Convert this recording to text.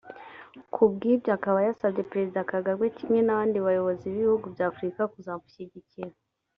kubw’ibyo akaba yasabye Perezida Kagame kimwe n’abandi bayobozi b’ibihugu bya Afurika kuzamushyigikira